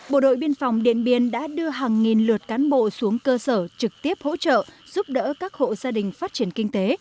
bộ đội biên phòng điện biên đã đưa hàng nghìn lượt cán bộ xuống cơ sở trực tiếp hỗ trợ giúp đỡ các hộ gia đình phát triển kinh tế